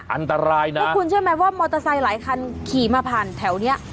อันตรายนะแล้วคุณเชื่อไหมว่ามอเตอร์ไซค์หลายคันขี่มาผ่านแถวเนี้ย